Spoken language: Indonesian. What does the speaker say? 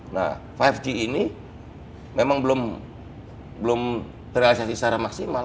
nah lima g ini memang belum terrealisasi secara maksimal